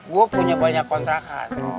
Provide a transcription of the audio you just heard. gue punya banyak kontrakan